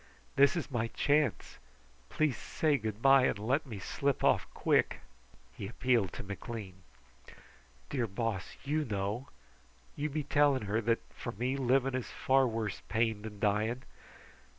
This is my chance. Please say good bye, and let me slip off quick!" He appealed to McLean. "Dear Boss, you know! You be telling her that, for me, living is far worse pain than dying.